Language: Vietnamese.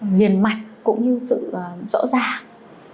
nghiền mạch cũng như sự rõ ràng